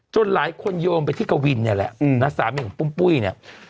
หลายคนโยงไปที่กวินเนี่ยแหละนะสามีของปุ้มปุ้ยเนี่ย